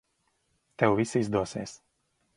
Tev viss izdosies.